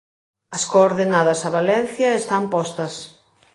As coordenadas a Valencia están postas.